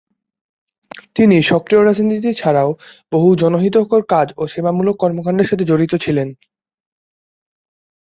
তিনি সক্রিয় রাজনীতি ছাড়াও বহু জনহিতকর কাজ ও সেবামূলক কর্মকান্ডের সঙ্গে জড়িত ছিলেন।